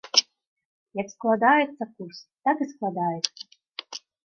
Як складаецца курс, так і складаецца.